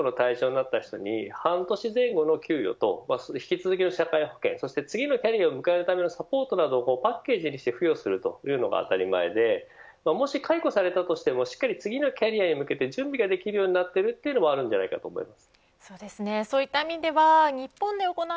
アメリカではこの解雇の対象になった人に半年前後の給与と引き続きの社会保険そして次のキャリアを迎えるためのサポートなどをパッケージにして付与するというのが当たり前でもし解雇されたとしてもしっかり、次のキャリアへ向けて準備ができるようになっているというのもあると思います。